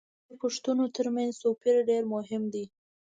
د دې پوښتنو تر منځ توپیر دېر مهم دی.